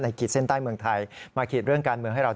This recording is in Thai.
ขีดเส้นใต้เมืองไทยมาขีดเรื่องการเมืองให้เรา